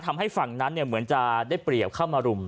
ทำให้ฝั่งนั้นเหมือนจะได้เปรียบเข้ามารุม